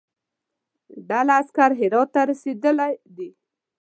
ډله عسکر هرات ته رسېدلی دي.